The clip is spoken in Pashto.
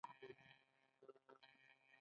آیا سیلانیان راځي؟